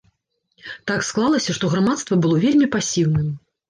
Так склалася, што грамадства было вельмі пасіўным.